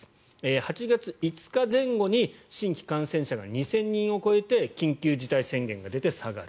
８月５日前後に新規感染者が２０００人を超えて緊急事態宣言が出て、下がる。